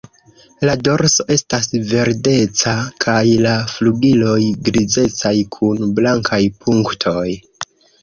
Lo dorso estas verdeca kaj la flugiloj grizecaj kun blankaj punktoj.